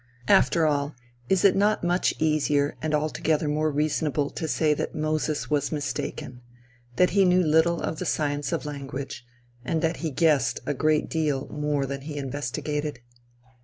After all, is it not much easier and altogether more reasonable to say that Moses was mistaken, that he knew little of the science of language, and that he guessed a great deal more than he investigated?